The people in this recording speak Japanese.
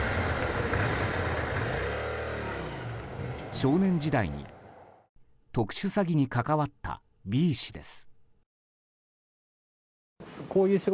少年時代に特殊詐欺に関わったＢ氏です。